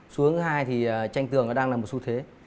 xu hướng thứ hai thì tranh tường nó đang là một xu thế